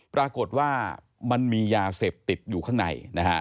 ปรากฏว่ามันมียาเสพติดอยู่ข้างในนะฮะ